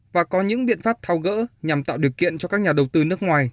và có những biện pháp thao gỡ nhằm tạo điều kiện cho các nhà đầu tư nước ngoài